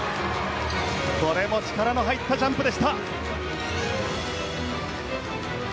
これも力の入ったジャンプでした。